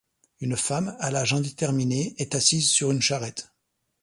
Une femme, à l'âge indéterminé, est assise sur une charrette.